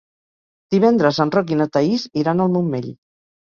Divendres en Roc i na Thaís iran al Montmell.